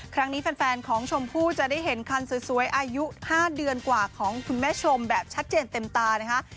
ครั้งนี้แฟนของชมพู่จะได้เห็นคันสวยอายุ๕เดือนกว่าของคุณแม่ชมแบบชัดเจนเต็มตานะคะ